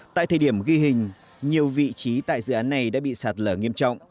tại thời điểm ghi hình nhiều vị trí tại dự án này đã bị sạt lở nghiêm trọng